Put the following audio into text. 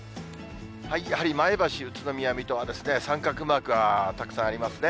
やはり前橋、宇都宮、水戸は三角マークがたくさんありますね。